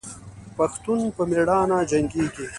پښتون په میړانه جنګیږي.